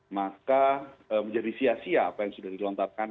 maka menjadi sia sia apa yang sudah dilontarkan